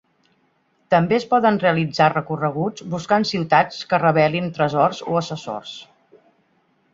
També es poden realitzar recorreguts buscant ciutats que revelin tresors o assessors.